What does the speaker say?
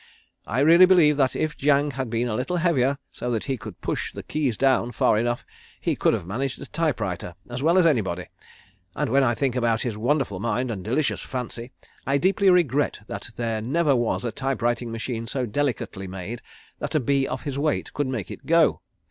I really believe that if Jang had been a little heavier so that he could push the keys down far enough he could have managed a typewriter as well as anybody, and when I think about his wonderful mind and delicious fancy I deeply regret that there never was a typewriting machine so delicately made that a bee of his weight could make it go.